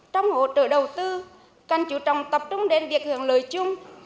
trong hỗ trợ đầu tư cần chú trọng tập trung đến việc hưởng lời chung